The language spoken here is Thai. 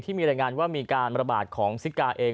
รายงานว่ามีการระบาดของซิกาเอง